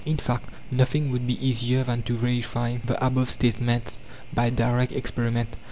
In fact, nothing would be easier than to verify the above statements by direct experiment.